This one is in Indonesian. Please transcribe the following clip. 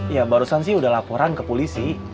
ya barusan sih udah laporan ke polisi